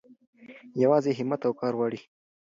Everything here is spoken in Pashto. يوازې هيمت او کار غواړي.